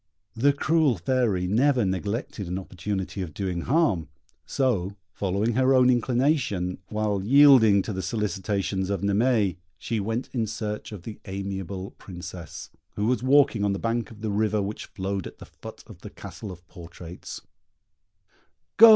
The cruel Fairy never neglected an opportunity of doing harm; so, following her own inclination, while yielding to the solicitations of Naimée, she went in search of the amiable Princess, who was walking on the bank of the river which flowed at the foot of the Castle of Portraits: "Go!"